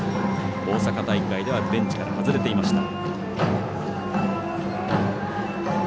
大阪大会ではベンチから外れていました。